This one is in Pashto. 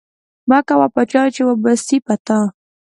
مه کوه په چا وبه سي په تا.